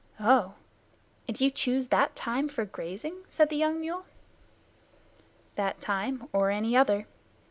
"Oh! And you choose that time for grazing?" said the young mule. "That time or any other.